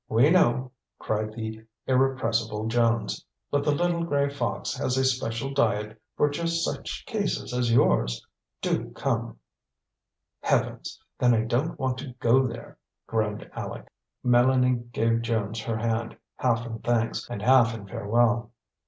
We know," cried the irrepressible Jones. "But the Little Gray Fox has a special diet for just such cases as yours. Do come!" "Heavens! Then I don't want to go there!" groaned Aleck. Mélanie gave Jones her hand, half in thanks and half in farewell.